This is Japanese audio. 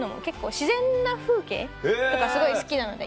自然な風景とかすごい好きなので。